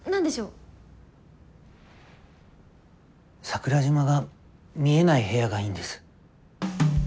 桜島が見えない部屋がいいんです。